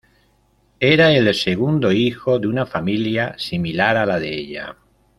Era el segundo hijo de una familia similar a la de ella.